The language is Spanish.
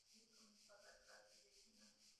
A la edad de seis comenzó a dar clases de gimnasia.